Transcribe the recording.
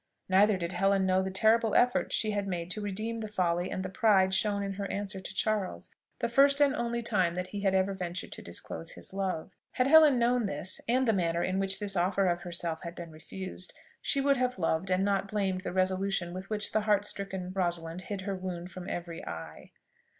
Neither did Helen know the terrible effort she had made to redeem the folly and the pride shown in her answer to Charles, the first and only time that he had ever ventured to disclose his love. Had Helen known this, and the manner in which this offer of herself had been refused, she would have loved, and not blamed the resolution with which the heart stricken Rosalind hid her wound from every eye.